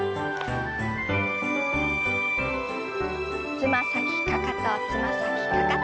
つま先かかとつま先かかと。